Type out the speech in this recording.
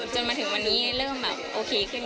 จนมาถึงวันนี้เริ่มแบบโอเคขึ้น